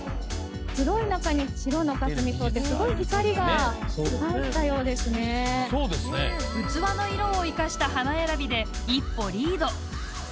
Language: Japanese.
黒い中に白のかすみ草って器の色を生かした花選びで一歩リード。